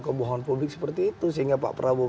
kebohongan publik seperti itu sehingga pak prabowo